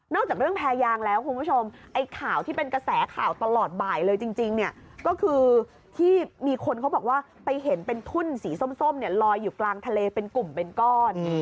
จากเรื่องแพรยางแล้วคุณผู้ชมไอ้ข่าวที่เป็นกระแสข่าวตลอดบ่ายเลยจริงเนี่ยก็คือที่มีคนเขาบอกว่าไปเห็นเป็นทุ่นสีส้มเนี่ยลอยอยู่กลางทะเลเป็นกลุ่มเป็นก้อน